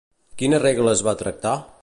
Quines regles va tractar?